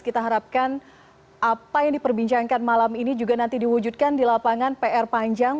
kita harapkan apa yang diperbincangkan malam ini juga nanti diwujudkan di lapangan pr panjang